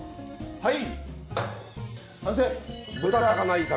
はい！